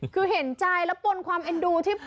คือเห็นใจแล้วปนความเอ็นดูที่